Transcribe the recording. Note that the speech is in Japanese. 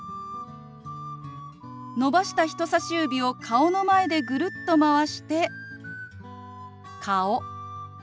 伸ばした人さし指を顔の前でぐるっとまわして「顔」。